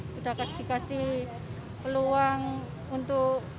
sudah dikasih peluang untuk